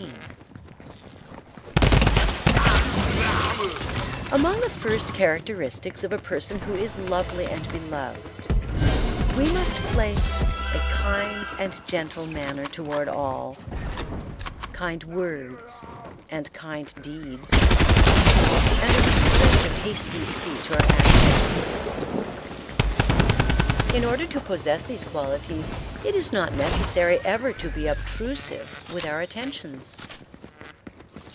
Among the first characteristics of a person who is lovely and beloved, we must place a kind and gentle manner toward all, kind words and kind deeds, and a restraint of hasty speech or action. In order to possess these qualities, it is not necessary ever to be obtrusive with our attentions.